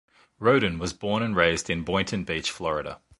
Rhoden was born and raised in Boynton Beach, Florida.